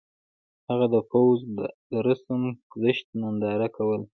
هغه د پوځ د رسم ګذشت ننداره کوله.